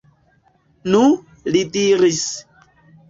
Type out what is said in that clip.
Nu, li diris.